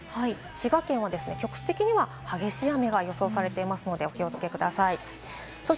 滋賀県は局地的には激しい雨が予想されていますのでお気をつけください。